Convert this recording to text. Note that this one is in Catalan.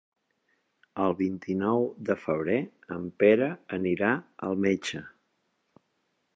El vint-i-nou de febrer en Pere anirà al metge.